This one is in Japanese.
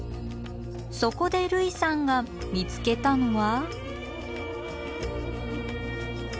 そこで類さんが見つけたのは。